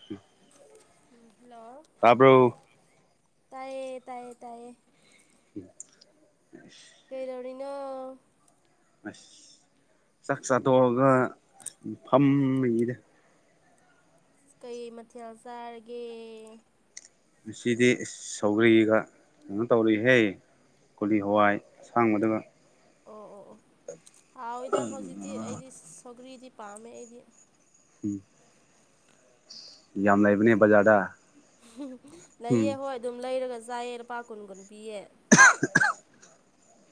[inaudible] ꯎꯝ hello ꯇꯥꯕ꯭ꯔꯣ ꯇꯥꯏꯌꯦ ꯇꯥꯏꯌꯦ ꯇꯥꯏꯌꯦ ꯑꯁ ꯀꯩꯗꯧꯔꯤꯅꯣ ꯑꯁ ꯆꯥꯛ ꯆꯥꯊꯣꯛꯑꯒ ꯑꯁ ꯐꯝꯔꯤꯗ ꯀꯩ ꯃꯊꯦꯜ ꯆꯥꯔꯒꯦ ꯉꯗꯤ ꯁꯧꯒ꯭ꯔꯤꯒ ꯀꯩꯅꯣ ꯇꯧꯔꯦꯍꯦ ꯀꯣꯂꯤ ꯍꯋꯥꯏ ꯑꯁꯥꯡꯕꯗꯨꯒ ꯑꯣ ꯑꯣ ꯑꯣ ꯍꯥꯎꯏꯗ ꯍꯧꯖꯤꯛꯇꯤ ꯑꯩꯗꯤ ꯁꯧꯒ꯭ꯔꯤꯗꯤ ꯄꯥꯝꯃꯦ ꯑꯩꯗꯤ ꯎꯝ ꯌꯥꯝ ꯂꯩꯕꯅꯦ ꯕꯖꯥꯔꯗ ꯎꯝ ꯂꯩꯌꯦ ꯍꯣꯏ ꯑꯗꯨꯝ ꯂꯩꯔꯒ ꯆꯥꯏꯑꯦ ꯂꯨꯄꯥ ꯀꯨꯟ ꯀꯨꯟ ꯄꯤꯌꯦ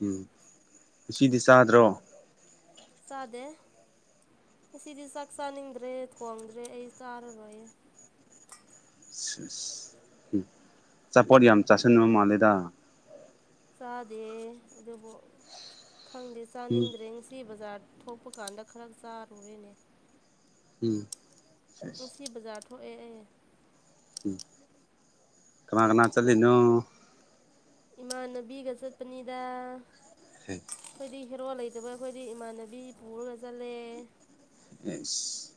ꯎꯝ ꯉꯁꯤꯗꯤ ꯆꯥꯗ꯭ꯔꯣ ꯆꯥꯗꯦ ꯉꯁꯤꯗꯤ ꯆꯥꯛ ꯆꯥꯅꯤꯡꯗ꯭ꯔꯦ ꯊꯣꯡꯗ꯭ꯔꯦ ꯑꯩ ꯆꯥꯔꯔꯣꯏꯌꯦ ꯑꯁ ꯎꯝ ꯑꯆꯥꯄꯣꯠ ꯌꯥꯝ ꯆꯥꯥꯁꯟꯕ ꯃꯥꯜꯂꯦꯗ ꯆꯥꯗꯦ ꯑꯗꯨꯕꯨ ꯈꯪꯗꯦ ꯎꯝ ꯆꯥꯅꯤꯡꯗ꯭ꯔꯦ ꯉꯁꯤ ꯕꯖꯥꯔ ꯊꯣꯛꯄ ꯀꯥꯟꯗ ꯈꯔ ꯆꯥꯔꯨꯔꯦꯅꯦ ꯎꯝ ꯉꯁꯤ ꯕꯖꯥꯔ ꯊꯣꯛꯑꯦ ꯑꯩ ꯎꯝ ꯀꯅꯥ ꯀꯅꯥ ꯆꯠꯂꯤꯅꯣ ꯏꯃꯥꯟꯅꯕꯤꯒ ꯆꯠꯄꯅꯤꯗ ꯍꯦ ꯑꯩꯈꯣꯏꯗꯤ ꯍꯦꯔꯣ ꯂꯩꯇꯕ ꯑꯩꯈꯣꯏꯗꯤ ꯏꯃꯥꯟꯅꯕꯤ ꯄꯨꯔꯒ ꯆꯠꯂꯦ ꯑꯦꯁ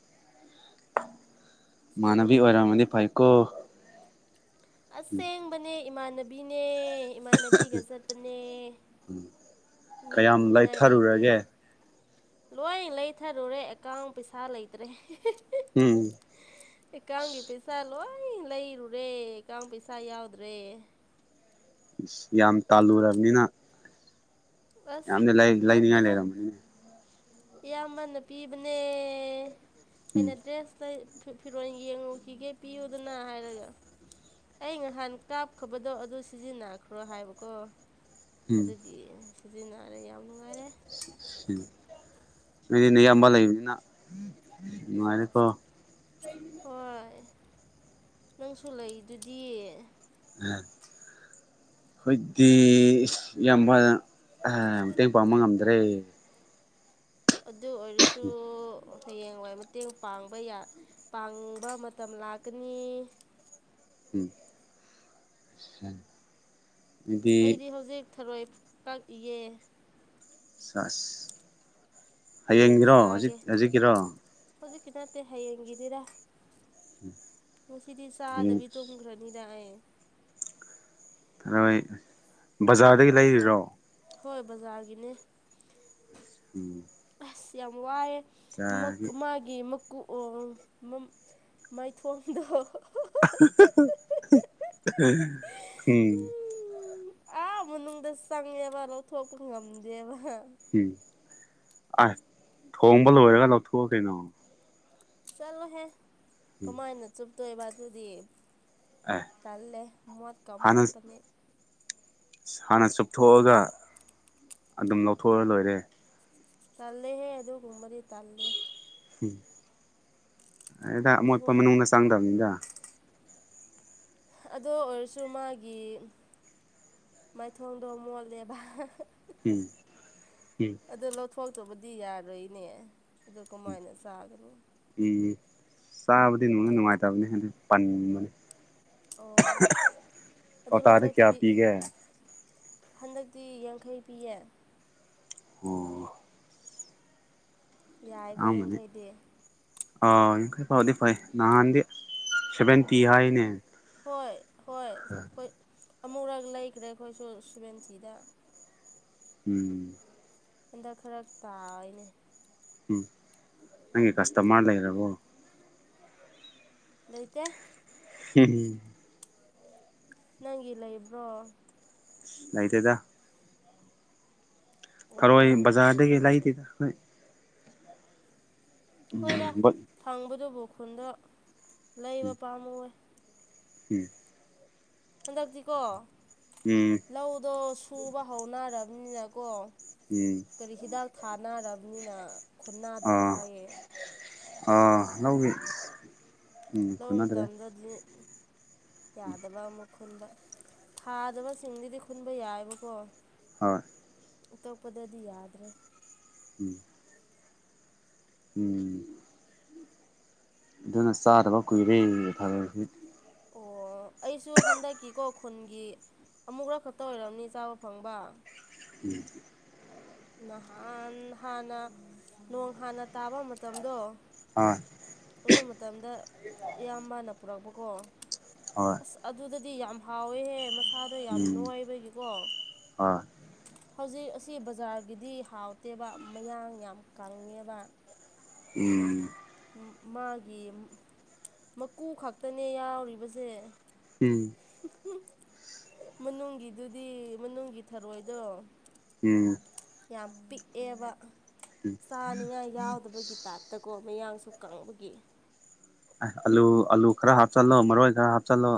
ꯃꯥꯥꯟꯅꯕꯤ ꯑꯁꯦꯡꯕꯅꯤ ꯀꯩꯅꯣ ꯑꯣꯏꯔꯝꯃꯗꯤ ꯐꯩꯀꯣ ꯑꯁꯦꯡꯕꯅꯦ ꯏꯃꯥꯟꯅꯕꯤꯅꯦ ꯏꯃꯥꯟꯅꯕꯤꯒ ꯆꯠꯄꯅꯦ ꯃꯤ ꯀꯌꯥꯝ ꯄꯨꯅꯤꯡꯉꯥꯏ ꯂꯩꯇꯦ ꯂꯩꯊꯔꯨꯔꯒꯦ ꯂꯣꯏ ꯂꯩꯊꯔꯨꯔꯦ ꯑꯦꯀꯥꯎꯟ ꯄꯩꯁꯥ ꯂꯩꯇ꯭ꯔꯦ ꯎꯝ ꯑꯦꯀꯥꯎꯟꯒꯤ ꯄꯩꯁꯥ ꯂꯣꯏ ꯂꯩꯔꯨꯔꯦ ꯑꯦꯀꯥꯎꯟ ꯄꯩꯁꯥ ꯌꯥꯎꯗ꯭ꯔꯦ ꯏꯁ ꯌꯥꯝ ꯇꯥꯜꯂꯨꯔꯕꯅꯤꯅ ꯑꯁ ꯌꯥꯝꯅ ꯂꯩ ꯂꯩꯅꯤꯡꯉꯥꯏ ꯅꯠꯇꯦꯍꯦ ꯂꯩꯔꯝꯃꯅꯤꯅꯦ ꯏꯌꯥꯝꯕꯅ ꯄꯤꯕꯅꯦ ꯑꯩꯅ ꯎꯝ ꯗ꯭ꯔꯦꯁ ꯂꯩ ꯐꯤ ꯐꯤꯔꯣꯟ ꯌꯦꯡꯉꯨꯈꯤꯒꯦ ꯄꯤꯌꯨꯗꯅ ꯍꯥꯏꯔꯒ ꯑꯩ ꯉꯍꯥꯟ ꯀꯥꯞꯈ꯭ꯔꯕꯗꯣ ꯑꯗꯨ ꯁꯤꯖꯤꯟꯅꯈ꯭ꯔꯣ ꯍꯥꯏꯕꯀꯣ ꯎꯝ ꯑꯗꯨꯒꯤ ꯁꯤꯖꯤꯟꯅꯔꯦ ꯌꯥꯝ ꯅꯨꯡꯉꯥꯏꯔꯦ ꯅꯣꯏꯗꯤ ꯅꯌꯥꯝꯕ ꯂꯩꯕꯅꯤꯅ ꯅꯨꯡꯉꯥꯏꯔꯦꯀꯣ ꯍꯣꯏ ꯅꯪꯁꯨ ꯂꯩꯗꯨꯗꯤ [unintelligible] ꯑꯩꯈꯣꯏꯗꯤ ꯏꯌꯥꯝꯕ ꯃꯇꯦꯡ ꯄꯥꯡꯕ ꯉꯝꯗ꯭ꯔꯦ ꯑꯗꯨ ꯑꯣꯏꯔꯁꯨ ꯍꯌꯦꯡꯋꯥꯏ ꯃꯇꯦꯡ ꯄꯥꯡꯕ ꯌꯥ ꯄꯥꯡꯕ ꯃꯇꯝ ꯂꯥꯛꯀꯅꯤ ꯎꯝ [unintelligible] ꯑꯗꯨꯗꯤ ꯑꯩꯗꯤ ꯍꯧꯖꯤꯛ ꯊꯔꯣꯏ ꯀꯛꯏꯌꯦ ꯁꯥꯁ ꯍꯌꯦꯡ ꯍꯌꯦꯡꯒꯤꯔꯣ ꯍꯧꯖꯤꯛ ꯆꯥꯒꯦ ꯍꯧꯖꯤꯛꯀꯤꯔꯣ ꯍꯧꯖꯤꯛꯀꯤ ꯅꯠꯇꯦ ꯍꯌꯦꯡꯒꯤꯗꯤꯔ ꯉꯁꯤꯗꯤ ꯍꯌꯦꯡ ꯆꯥꯗꯕꯤ ꯇꯨꯝꯈ꯭ꯔꯅꯤꯗ ꯑꯩ ꯊꯔꯣꯏ ꯕꯖꯥꯔꯗꯒꯤ ꯂꯩꯔꯤꯔꯣ ꯍꯣꯏ ꯕꯖꯥꯔꯒꯤꯅꯦ ꯎꯝ ꯑꯁ ꯌꯥꯝ ꯋꯥꯌꯦ ꯃꯛ ꯕꯖꯥꯔꯒꯤ ꯃꯥꯒꯤ ꯒꯤ ꯃꯀꯨ ꯑꯥ ꯑꯪ ꯃꯥ ꯃꯥꯏꯊꯣꯡꯗꯣ [unintelligible] ꯎꯝ ꯑꯥ ꯃꯅꯨꯡꯗ ꯆꯪꯉꯦꯕ ꯂꯧꯊꯣꯛꯄ ꯉꯝꯗꯦꯕ ꯎꯝ ꯑꯥꯏ ꯊꯣꯡꯕ ꯂꯣꯏꯔꯒ ꯂꯧꯊꯣꯛꯑꯣ ꯀꯩꯅꯣ ꯆꯠꯂꯣꯍꯦ ꯎꯝ ꯀꯃꯥꯏꯅ ꯆꯨꯞꯇꯣꯏꯕ ꯑꯗꯨꯗꯤ ꯑꯦ ꯇꯜꯂꯦ ꯃꯣꯠꯀꯥ ꯍꯥꯟꯅ ꯃꯣꯠꯄꯅꯦ ꯍꯥꯟꯅ ꯆꯨꯞꯊꯣꯛꯑꯒ ꯑꯗꯨꯝ ꯂꯧꯊꯣꯛꯑ ꯂꯣꯏꯔꯦ ꯇꯜꯂꯦꯍꯦ ꯑꯗꯨꯒꯨꯝꯕꯗꯤ ꯇꯜꯂꯦ ꯍꯨꯝ [unintelligible] ꯑꯃꯣꯠꯄ ꯑꯗꯨꯒꯨꯝ ꯃꯅꯨꯡꯗ ꯆꯥꯡꯗꯝꯅꯤꯗ ꯑꯗꯣ ꯑꯣꯏꯔꯁꯨ ꯃꯥꯒꯤ ꯃꯥꯏꯊꯣꯡꯗꯣ ꯃꯣꯠꯂꯦꯕ ꯎꯝ ꯎꯝ ꯑꯗꯨ ꯂꯧꯊꯣꯛꯇꯕꯗꯤ ꯌꯥꯔꯣꯏꯅꯦ ꯑꯗꯨ ꯀꯃꯥꯏꯅ ꯆꯥꯒꯅꯤ ꯎꯝ ꯆꯥꯕꯗꯤ ꯅꯨꯡꯗꯤ ꯅꯨꯡꯉꯥꯏꯇꯕꯅꯤ ꯑꯗꯨ ꯄꯟꯕꯅꯦ ꯑꯣ ꯑꯗꯨ ꯀꯧꯇꯥꯗ ꯀꯌꯥ ꯂꯧꯊꯣꯛꯇꯕꯤ ꯄꯤꯒꯦ ꯍꯟꯗꯛꯇꯤ ꯌꯪꯈꯩ ꯄꯤꯌꯦ ꯑꯣ ꯌꯥꯏꯀꯣ ꯇꯥꯡꯕꯅꯤ ꯌꯪꯈꯩꯗꯤ ꯑꯥ ꯌꯥꯡꯈꯩ ꯐꯥꯎꯗꯤ ꯐꯩ ꯅꯍꯥꯟꯗꯤ ꯁꯦꯚꯦꯟꯇꯤ ꯍꯥꯏꯅꯦ ꯍꯣꯏ ꯍꯣꯏ ꯍꯣꯏ ꯑꯃꯨꯔꯛ ꯂꯩꯈ꯭ꯔꯦ ꯑꯩꯈꯣꯏꯁꯨ ꯁꯨꯕꯦꯟꯇꯤꯗ ꯎꯝ ꯍꯟꯗꯛ ꯈꯔ ꯇꯥꯏꯅꯦ ꯎꯝ ꯅꯪꯒꯤ ꯀꯁꯇꯥꯃꯔ ꯂꯩꯔꯕꯣ ꯂꯩꯇꯦ ꯍꯝ ꯍꯝ ꯅꯪꯒꯤ ꯂꯩꯕ꯭ꯔꯣ ꯑꯣꯏꯇꯣꯏꯗ ꯊꯔꯣꯏ ꯑꯣ ꯕꯖꯥꯔꯗꯒꯤ ꯂꯩꯗꯦꯗꯥ ꯑꯩꯈꯣꯏ ꯎꯝ ꯍꯣꯏꯗ ꯐꯪꯕꯗꯨꯕꯨ ꯈꯨꯟꯗ ꯂꯩꯕ ꯄꯥꯝꯃꯨꯋꯦ ꯎꯝ ꯍꯟꯗꯛꯇꯤꯀꯣ ꯎꯝ ꯂꯧꯗꯣ ꯁꯨꯕ ꯍꯧꯅꯔꯕꯅꯤꯅꯀꯣ ꯎꯝ ꯀꯔꯤ ꯍꯤꯗꯥꯛ ꯊꯥꯅꯔꯕꯅꯤꯅ ꯈꯨꯟꯟꯅꯗ꯭ꯔꯦ ꯑꯥ ꯍꯥꯏꯌꯦ ꯑꯥ ꯂꯧꯒꯤ ꯎꯝ ꯂꯧꯕ ꯈꯨꯟꯅꯗ꯭ꯔꯦ ꯃꯇꯝꯗꯗꯤ ꯌꯥꯗꯕ ꯑꯃꯨꯛ ꯈꯨꯟꯕ ꯊꯥꯗꯕꯁꯤꯡꯗꯨꯗꯤ ꯈꯨꯟꯕ ꯌꯥꯏꯕꯀꯣ ꯍꯣꯏ ꯎꯇꯛꯄꯗꯗꯤ ꯌꯥꯗ꯭ꯔꯦ ꯎꯝ ꯎꯝ ꯑꯗꯨꯅ ꯆꯥꯗꯕ ꯀꯨꯏꯔꯦ ꯐꯕ ꯑꯣ ꯑꯩꯁꯨ ꯍꯟꯗꯛꯀꯤꯀꯣ ꯈꯨꯟꯒꯤ ꯑꯃꯨꯛ ꯈ ꯈꯛꯇ ꯑꯣꯏꯔꯕꯅꯤ ꯆꯥꯕ ꯐꯪꯕ ꯎꯝ ꯅꯍꯥꯟ ꯍꯥꯟꯅ ꯅꯣꯡ ꯍꯥꯟꯅ ꯇꯥꯕ ꯃꯇꯝꯗꯣ ꯍ ꯑꯗꯨ ꯃꯇꯝꯗ ꯏꯌꯥꯝꯕꯅ ꯄꯨꯔꯛꯄꯀꯣ ꯍꯣꯏ ꯑꯁ ꯑꯗꯨꯗꯗꯤ ꯌꯥꯝ ꯍꯥꯎꯋꯦꯍꯦ ꯃꯁꯥꯗꯣ ꯌꯥꯝ ꯎꯝ ꯥꯏꯕꯒꯤꯀꯣ ꯍꯣꯏ ꯍꯧꯖꯤꯛ ꯑꯁꯤ ꯕꯖꯥꯔꯒꯤꯗꯤ ꯍꯥꯎꯇꯦꯕ ꯃꯌꯥꯡ ꯌꯥꯝ ꯀꯪꯉꯦꯕ ꯎꯝ ꯃꯥꯒꯤ ꯃꯀꯨ ꯈꯛꯇꯅꯦ ꯌꯥꯎꯔꯤꯕꯁꯦ ꯎꯝ ꯃꯅꯨꯡꯒꯤꯗꯨꯗꯤ ꯃꯅꯨꯡꯒꯤ ꯊꯔꯣꯏꯗꯣ ꯎ ꯌꯥꯝ ꯄꯤꯛꯑꯦꯕ ꯎꯝ ꯆꯥꯅꯤꯡꯉꯥꯏ ꯌꯥꯎꯗꯕꯒꯤꯇꯥꯥꯏꯞ ꯇꯒꯣ ꯃꯌꯥꯡꯁꯨ ꯀꯪꯕꯒꯤ ꯑꯂꯨ ꯑꯂꯨ ꯈꯔ ꯍꯥꯞꯆꯤꯜꯂꯣ ꯃꯔꯣꯏ ꯈꯔ ꯍꯥꯞꯆꯤꯜꯂꯣ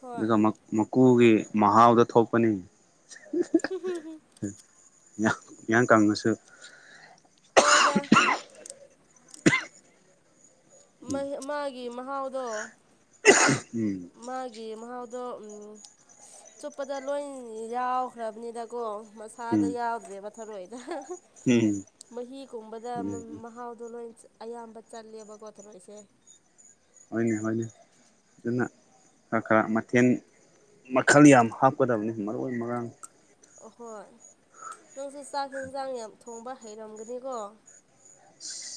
ꯍꯣꯏ ꯑꯗꯨꯒ ꯑꯃꯨ ꯀꯨꯒꯤ ꯃꯍꯥꯎꯗ ꯊꯣꯛꯄꯅꯤ ꯏꯌꯥꯡ ꯀꯥꯡꯅꯁꯨ ꯍꯣꯏꯗ ꯃꯥꯒꯤ ꯃꯍꯥꯎꯗꯣ ꯎꯝ ꯃꯥꯒꯤ ꯃꯍꯥꯎꯗꯣ ꯆꯨꯞꯄꯗ ꯂꯣꯏ ꯌꯥꯎꯈ꯭ꯔꯕꯅꯤꯅꯀꯣꯁ ꯊꯥꯗ ꯎꯝ ꯌꯥꯎꯗ꯭ꯔꯦꯕ ꯊꯔꯣꯏꯗ ꯎꯝ ꯃꯍꯤꯒꯨꯝꯕꯗ ꯃꯍꯥꯎꯗꯣ ꯂꯣꯏ ꯑꯌꯥꯝꯕ ꯆꯠꯂꯦꯕꯀꯣ ꯊꯣꯔꯛꯁꯦ ꯍꯅꯦ ꯍꯅꯦ ꯑꯗꯨꯅ ꯈꯔ ꯈꯔ ꯃꯊꯦꯜ ꯃꯈꯜ ꯌꯥꯝ ꯍꯥꯞꯀꯗꯕꯅꯤ ꯃꯔꯣꯏ ꯃꯔꯥꯡ ꯑꯍꯣꯏ ꯅꯪꯁꯨ ꯆꯥꯛ ꯌꯦꯟꯁꯥꯡ ꯌꯥꯝ ꯊꯣꯡꯕ ꯍꯩꯔꯝꯒꯅꯤꯀꯣ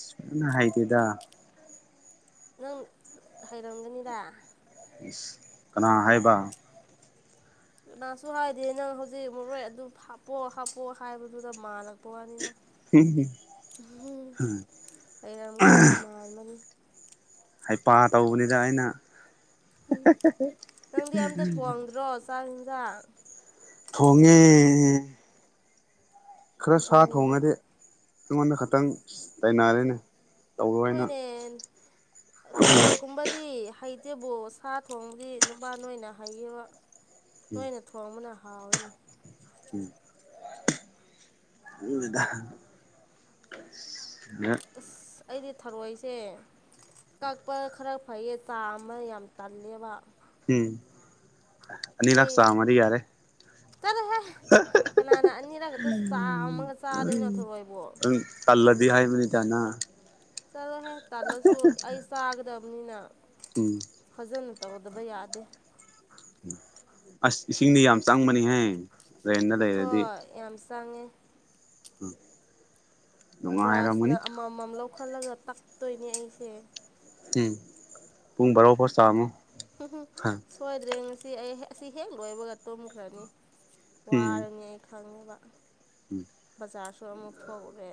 ꯁꯨꯃꯅ ꯍꯥꯏꯩꯗꯦꯗ ꯅꯪ ꯍꯥꯏꯩꯔꯝꯒꯅꯤꯗ ꯑ ꯀꯅꯥ ꯍꯥꯏꯕ ꯅꯥꯁꯨ ꯍꯥꯏꯗꯤꯦ ꯅꯪ ꯍꯧꯖꯤꯛ ꯃꯣꯔꯣꯏ ꯑꯗꯨ ꯍꯥꯞꯄꯣ ꯍꯥꯞꯄꯣ ꯍꯥꯏꯕꯗꯨꯗ ꯃꯥꯜꯂꯛꯄ ꯋꯥꯅꯤꯅ ꯍ ꯍꯩꯔꯝꯒꯗꯕ ꯃꯥꯜꯥꯟꯕꯅꯤ ꯍꯩꯄꯥ ꯇꯧꯕꯅꯤꯗ ꯑꯩꯅ ꯎꯝ ꯅꯪꯗꯤ ꯑꯝꯇ ꯊꯣꯡꯗ꯭ꯔꯣ ꯆꯥꯛ ꯌꯦꯟꯖꯥꯛ ꯊꯣꯡꯉꯦ ꯈꯔ ꯁꯥ ꯑꯗꯨꯅꯦꯕ ꯊꯣꯡꯉꯗꯤ ꯑꯩꯉꯣꯟꯗ ꯈꯇꯪ ꯇꯥꯏꯅꯔꯦꯅꯦ ꯇꯧꯔꯣꯏꯅ ꯍꯣꯏꯅꯦꯪꯁꯏ ꯀꯨꯝꯕꯗꯤ ꯍꯩꯇꯦꯕꯨ ꯁꯥ ꯊꯣꯡꯕꯗꯤ ꯅꯨꯄꯥ ꯅꯣꯏꯅ ꯍꯩꯌꯦꯕ ꯅꯣꯏꯅ ꯊꯣꯡꯕꯅ ꯍꯥꯎꯋꯤꯅꯦ ꯎꯝ ꯎꯗ ꯑꯁ ꯑꯩꯗꯤ ꯊꯔꯣꯏꯁꯦ ꯀꯛꯄ ꯈꯔ ꯐꯩꯌꯦ ꯆꯥ ꯑꯃ ꯌꯥꯝ ꯇꯜꯂꯦꯕ ꯎꯝ ꯑꯅꯤ ꯂꯥꯛ ꯆꯃꯔꯤ ꯌꯥꯔꯦ ꯆꯠꯂꯨꯍꯦ ꯀꯅꯥꯅ ꯑꯅꯤꯔꯛ ꯈꯛꯇ ꯆꯥꯝꯃꯒ ꯆꯥꯗꯣꯏꯅꯣ ꯊꯛꯑꯣꯏꯕꯣ ꯑꯂꯗꯤ ꯍꯥꯏ ꯃꯤꯅꯤ ꯆꯅꯥ ꯆꯠꯂꯣꯍꯦ ꯇꯜꯂꯁꯨ ꯑꯩ ꯆꯥꯒꯗꯕꯅꯤꯅ ꯎꯝ ꯐꯖꯅ ꯇꯧꯗꯕ ꯌꯥꯗꯦ ꯑꯁ ꯏꯁꯤꯡꯗꯤ ꯌꯥꯝ ꯆꯪꯕꯅꯤꯍꯦ ꯔꯦꯟꯗ ꯂꯩꯔꯗꯤ ꯑꯝꯁꯥꯉ ꯎꯝ ꯕ꯭ꯔꯥꯁꯅ ꯑꯃꯃꯝ ꯂꯧꯈꯠꯂꯒ ꯇꯛꯇꯣꯏꯅꯦ ꯑꯩꯁꯦ ꯎꯝ ꯄꯨꯡ ꯕꯥꯔꯣ ꯐꯥꯎꯁ ꯇꯥꯝꯃꯣ ꯎ ꯁꯣꯏꯗ꯭ꯔꯦ ꯉꯁꯤ ꯑꯩ ꯑꯁꯤ ꯍꯦꯛ ꯂꯣꯏꯕꯒ ꯇꯨꯝꯈ꯭ꯔꯅꯤ ꯎꯝ ꯋꯥꯔꯅꯤ ꯑꯩ ꯈꯪꯉꯦꯕ ꯎꯝ ꯕꯖꯥꯔꯁꯨ ꯑꯃꯨꯛ ꯊꯣꯛꯎꯔꯦ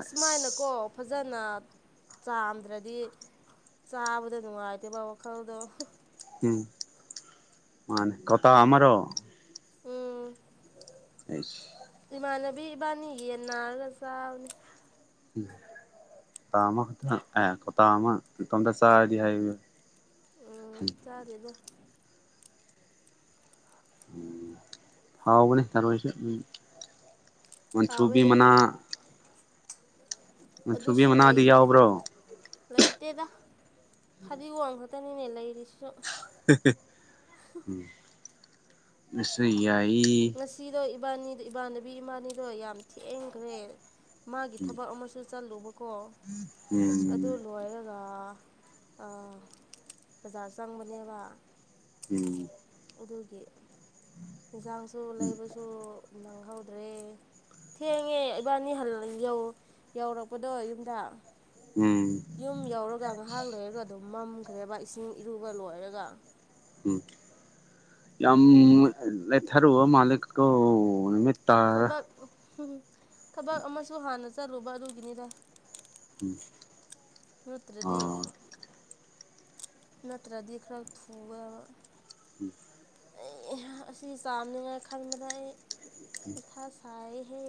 ꯑꯁꯨꯃꯥꯏꯅꯀꯣ ꯐꯖꯅ ꯆꯥꯝꯗ꯭ꯔꯗꯤ ꯆꯥꯕꯗ ꯅꯨꯡꯉꯥꯏꯇꯦꯕ ꯋꯥꯈꯜꯗꯣ ꯎꯝ ꯃ ꯀꯇꯥ ꯑꯃꯔ ꯎꯝ ꯑꯩ ꯏꯃꯥꯟꯅꯕꯤ ꯏꯕꯥꯅꯤ ꯌꯦꯟ ꯅꯥꯔꯒ ꯆꯥꯕꯅꯤ ꯀꯣ ꯑꯃ ꯈ ꯑꯦ ꯀꯣꯇꯥ ꯑꯃ ꯇꯣꯝꯗ ꯆꯥꯗꯤ ꯍꯥꯏ ꯎꯝ ꯆꯥꯔꯦꯗ ꯍꯥꯎꯕꯅꯦ ꯇꯔꯣꯏꯁꯨ ꯃꯟꯁꯨꯨꯕꯤ ꯍꯥꯎꯋꯦ ꯃꯅꯥ ꯃꯟꯊ꯭ꯔꯨꯕꯤ ꯑꯗꯨꯁꯨ ꯃꯅꯥꯗꯤ ꯂꯩꯗꯤꯦ ꯌꯥꯎꯕ꯭ꯔꯣ ꯂꯩꯇꯦꯗ ꯐꯗꯤꯒꯣꯝ ꯈꯛꯇꯅꯤꯅꯦ ꯂꯩꯔꯤꯁꯤꯁꯨ ꯁ ꯌꯥꯏ ꯑꯁꯤꯗꯣ ꯏꯕꯥꯅꯤꯗ ꯏꯃꯥꯟꯅꯕꯤ ꯏꯃꯥꯅꯤꯗꯣ ꯌꯥꯝ ꯊꯦꯡꯈ꯭ꯔꯦ ꯃꯥꯒꯤ ꯎꯝ ꯊꯕꯛ ꯑꯃꯁꯨ ꯆꯠꯂꯨꯕꯀꯣ ꯑꯗꯨ ꯎꯝ ꯂꯣ ꯂꯣꯏꯔꯒ ꯕꯖꯥꯔ ꯆꯪꯕꯅꯦꯕ ꯎꯝ ꯑꯗꯨꯒꯤ ꯌꯦꯟꯁꯥꯡꯁꯨ ꯂꯩꯕꯁꯨ ꯅꯪꯍꯧꯗ꯭ꯔꯦ ꯊꯦꯡꯉꯦ ꯏꯕꯥꯅꯤ ꯍ ꯌꯧ ꯌꯧꯔꯛꯄꯗꯣ ꯌꯨꯝꯗ ꯎꯝ ꯌꯨꯝ ꯌꯧꯔꯒ ꯉꯥꯏꯍꯥꯛ ꯂꯩꯔꯒ ꯑꯗꯨꯝ ꯃꯝꯈ꯭ꯔꯦꯕ ꯏꯁꯤꯡ ꯏꯔꯨꯕ ꯂꯣꯏꯔꯒ ꯎꯝ ꯌꯥꯝ ꯂꯩꯦꯊꯔ ꯃꯥꯂꯛ ꯀ ꯊꯕꯛ ꯊꯕꯛ ꯑꯃꯁꯨ ꯍꯥꯟꯅ ꯆꯠꯂꯨꯕ ꯑꯗꯨꯒꯤꯅꯤꯗ ꯎꯝ ꯃꯔꯗꯤ ꯑꯥ ꯅꯠꯇ꯭ꯔꯗꯤ ꯈꯔ ꯊꯨꯕ ꯑꯁꯤ ꯆꯥꯝꯅꯤꯉꯥꯏ ꯈꯟꯕꯗ ꯑꯩ ꯏꯊꯥ ꯁꯥꯏꯍꯦ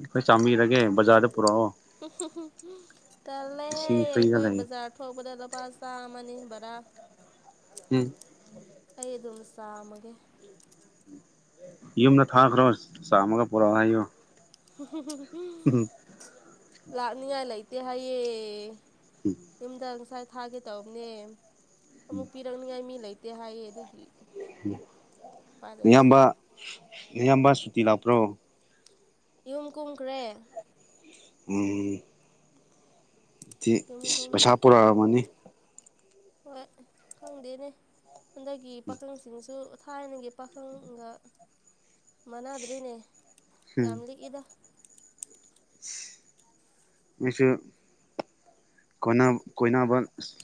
ꯑꯩꯈꯣꯏ ꯆꯥꯃꯤꯔꯒꯦ ꯕꯖꯥꯔꯗ ꯄꯨꯔꯛꯑꯣ ꯇ ꯏꯁꯤꯡ ꯐ꯭ꯔꯤꯗ ꯍꯦꯣꯏ ꯂꯩꯌꯦ ꯖꯥ ꯊꯧꯕꯗ ꯂꯨꯄꯥ ꯆꯥ ꯑꯃꯅꯤ ꯕꯔꯥ ꯎꯝ ꯑꯩ ꯑꯗꯨꯝ ꯆꯥꯝꯃꯒꯦ ꯌꯨꯝꯗ ꯊꯥꯈ꯭ꯔꯣ ꯆꯥꯝꯃꯒ ꯄꯨꯔꯛꯑꯣ ꯍꯥꯏꯌꯨ ꯍ ꯎꯝ ꯂꯥꯛꯅꯤꯉꯥꯏ ꯂꯩꯇꯦ ꯍꯥꯏꯌꯦꯦ ꯎꯝ ꯌꯨꯝꯗ ꯉꯁꯥꯏ ꯊꯥꯒꯦ ꯇꯅꯦ ꯑꯃꯨꯛ ꯄꯤꯔꯛꯅꯤꯉꯥꯏ ꯃꯤ ꯂꯩꯇꯦ ꯍꯥꯏꯌꯦ ꯑꯗꯨꯒꯤ ꯎꯄꯥꯏ ꯎ ꯂꯩꯇꯦ ꯑꯌꯥꯝꯕ ꯑꯌꯥꯝꯕ ꯁꯨꯇꯤ ꯂꯥꯛꯄ꯭ꯔꯣ ꯌꯨꯝ ꯀꯨꯝꯈ꯭ꯔꯦ ꯎ ꯗꯤ ꯌꯨꯝ ꯀꯨꯝꯈ꯭ꯔꯦ ꯄꯩꯁꯥ ꯄꯨꯔꯛꯑꯃꯅꯤ ꯍꯣꯏ ꯈꯪꯗꯦꯅꯦ ꯍꯟꯗꯒꯤ ꯄꯥꯈꯪꯁꯤꯡꯁꯨ ꯊꯥꯏꯅꯒꯤ ꯄꯥꯈꯪꯒ ꯃꯅꯥꯗ꯭ꯔꯔꯤꯅꯦ ꯌꯥꯝ ꯂꯤꯛ ꯏꯗ ꯃꯤꯆꯨ ꯀꯣꯏꯅꯕ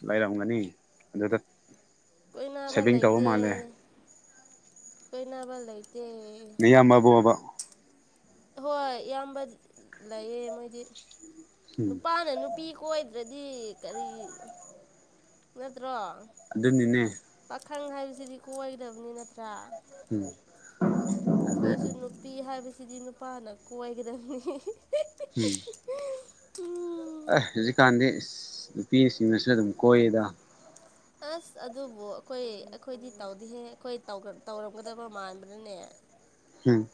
ꯂꯩꯔꯝꯒꯅꯤ ꯑꯗꯨꯗ ꯀꯣꯏꯅꯕ ꯁꯦꯚꯤꯡ ꯇꯧꯕ ꯂꯩꯇꯦ ꯃꯥꯜꯂꯦ ꯀꯣꯏꯅꯕ ꯂꯩꯇꯦ ꯏꯌꯥꯝꯕꯕꯕ ꯍꯣꯏ ꯏꯌꯥꯝꯕ ꯂꯩꯌꯦ ꯃꯣꯏꯗꯤ ꯎꯝ ꯅꯨꯄꯥꯅ ꯅꯨ ꯄꯤ ꯀꯣꯏꯗ꯭ꯔꯗꯤ ꯀꯔꯤ ꯅꯠꯇ꯭ꯔꯣ ꯑꯗꯨꯅꯤꯅꯦ ꯄꯥꯈꯪ ꯍꯥꯏꯕꯁꯤꯗꯤ ꯀꯣꯏꯒꯗꯕꯅꯤ ꯅꯠꯇ꯭ꯔꯥ ꯎꯝ ꯑꯗ ꯑꯩꯈꯣꯏꯁꯨ ꯅꯨꯄꯤ ꯍꯥꯏꯕꯁꯤꯗꯤ ꯅꯨꯄꯥꯅ ꯀꯣꯏꯒꯗꯕꯅꯤ ꯎꯝ ꯎꯝ ꯑꯩ ꯍꯧꯖꯤꯛꯀꯥꯟꯗꯤ ꯅꯨꯄꯤꯁꯤꯡꯅꯁꯨ ꯑꯗꯨꯝ ꯀꯣꯏꯌꯦꯗ ꯑꯁ ꯑꯗꯨꯕꯨ ꯑꯩꯈꯣꯏ ꯑꯩꯈꯣꯏꯗꯤ ꯇꯧꯗꯤꯍꯦ ꯑꯩꯈꯣꯏ ꯇꯧꯔꯝꯒꯗꯕ ꯃꯥꯟꯕꯅꯅꯦ ꯎꯝ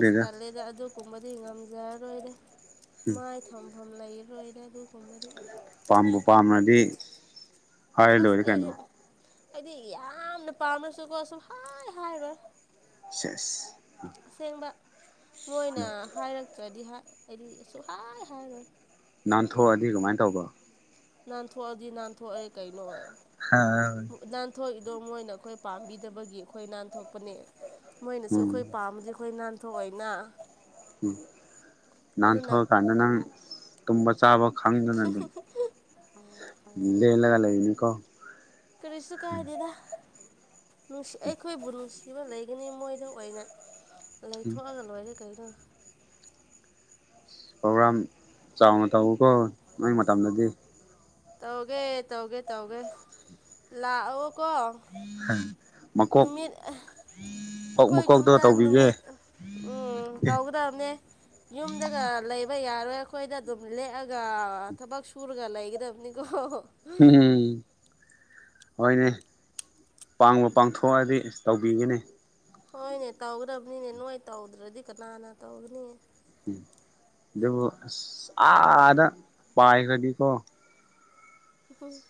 ꯑꯁ ꯇꯜꯂꯦꯗ ꯑꯗꯨ ꯀꯨꯝꯕꯗꯤ ꯉꯝꯖꯔꯔꯣꯏꯔꯦ ꯎꯝ ꯃꯥꯏ ꯊꯝꯐꯝ ꯂꯩꯔꯔꯣꯏꯔ ꯑꯗꯨꯒꯨꯝꯕꯗꯤ ꯄꯥꯝꯕ ꯄꯥꯝꯅꯗꯤ ꯑꯁ ꯑꯩꯗꯤ ꯑꯩꯗꯤ ꯌꯥꯝꯅ ꯄꯥꯝꯃꯁꯨꯀꯣ ꯁꯨꯝ ꯍꯥꯏ ꯍꯥꯏꯔꯣꯏ ꯁꯦꯁ ꯑꯁꯦꯡꯕ ꯃꯣꯏꯅ ꯍꯥꯏꯔꯛꯇ꯭ꯔꯗꯤ ꯑꯩꯗꯤ ꯁꯨꯛꯍ ꯍꯥꯏꯔꯣꯏ ꯅꯥꯟꯊꯣꯛꯑꯗꯤ ꯀꯃꯥꯏꯅ ꯇꯧꯕ ꯅꯥꯟꯊꯣꯛꯑꯗꯤ ꯅꯥꯟꯊꯣꯛꯑꯔꯦ ꯀꯩꯅꯣ ꯑꯣꯏ ꯍꯥ ꯅꯥꯟꯊꯣꯛꯏꯗꯣ ꯃꯣꯏꯅ ꯑꯩꯈꯣꯏ ꯄꯥꯝꯕꯤꯗꯕꯒꯤ ꯑꯩꯈꯣꯏ ꯅꯥꯟꯊꯣꯛꯄꯅꯦ ꯃꯣꯏꯅꯁꯨ ꯎꯝ ꯑꯩꯈꯣꯏ ꯄꯥꯝꯝꯕꯗꯤ ꯑꯩꯈꯣꯏ ꯅꯥꯟꯊꯣꯛ ꯑꯣꯏꯅ ꯎ ꯟꯊꯣꯛꯑꯀꯥꯟꯗ ꯅꯪ ꯇꯨꯝꯕ ꯆꯥꯕ ꯈꯪꯗꯅꯥ ꯑꯗꯨꯝ ꯂꯦꯂꯒ ꯂꯩꯏꯅꯤꯀꯣ ꯀꯔꯤꯁꯨ ꯀꯥꯏꯗꯦꯗ ꯅꯨꯡꯁꯤ ꯑꯩꯈꯣꯏꯕꯨ ꯅꯨꯡꯁꯤ ꯐꯤꯕ ꯂꯩꯒꯅꯤ ꯃꯣꯏꯗ ꯑꯣꯏꯅ ꯂꯩꯊꯣꯛꯑꯒ ꯂꯣꯏꯔꯦ ꯀꯩꯅꯣ ꯄ꯭ꯔꯣꯒ꯭ꯔꯥꯝ ꯆꯥꯎꯅ ꯇꯧꯋꯤꯀꯣ ꯅꯣꯏ ꯃꯇꯝꯗꯗꯤ ꯇꯧꯒꯦ ꯇꯧꯒꯦ ꯇꯧꯒꯦ ꯂꯥꯛꯑꯣꯀꯣ ꯎꯝ ꯅꯨꯃꯤꯠ ꯃꯀꯣꯛ ꯑꯩꯈꯣꯏ ꯃꯀꯣꯛꯇꯣ ꯌꯨꯝꯗ ꯇꯧꯕꯤꯒꯦ ꯅꯨꯃꯤꯠ ꯎꯝ ꯇꯧꯒꯗꯅꯦꯃꯦ ꯌꯨꯝꯗꯒ ꯂꯩꯕ ꯌꯥꯔꯣꯏ ꯑꯩꯈꯣꯏꯗ ꯑꯗꯨꯝ ꯂꯦꯛꯑꯒ ꯊꯕꯛ ꯁꯨꯔꯒ ꯂꯩꯒꯗꯕꯅꯤ ꯑꯣ ꯎꯝꯝ ꯍꯣꯏꯅꯦ ꯄꯥꯡꯕ ꯄꯥꯡꯊꯣꯛꯑꯗꯤ ꯑꯁ ꯇꯧꯕꯤꯒꯅꯤ ꯍꯣꯏꯅꯦ ꯇꯧꯈ꯭ꯔꯕꯅꯤꯅꯦ ꯅꯣꯏ ꯇꯧꯗ꯭ꯔꯗꯤ ꯀꯅꯥꯅ ꯇꯧꯒꯅꯤ ꯗꯕꯨ ꯁꯥꯗ ꯄꯈꯗꯤꯀꯣ ꯎꯝ